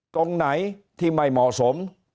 ตรงไหนที่ไม่เหมาะสม